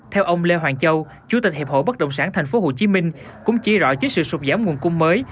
theo ông lê hoàng châu chủ tịch hiệp hội bất động sản thành phố hồ chí minh cũng chỉ rõ trước sự sụp giảm nguồn cung mới